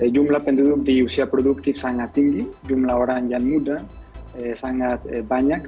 jumlah penduduk di usia produktif sangat tinggi jumlah orang yang muda sangat banyak